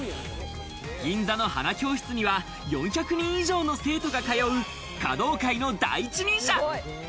銀座の花教室には４００人以上の生徒が通う、華道界の第一人者。